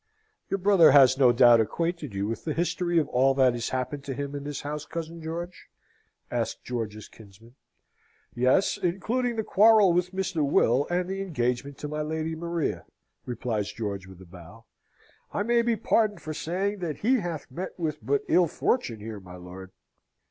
"Your brother has no doubt acquainted you with the history of all that has happened to him in this house, cousin George?" asked George's kinsman. "Yes, including the quarrel with Mr. Will and the engagement to my Lady Maria," replies George, with a bow. "I may be pardoned for saying that he hath met with but ill fortune here, my lord."